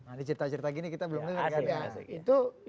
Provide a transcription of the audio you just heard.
ada cerita cerita gini kita belum lihat kan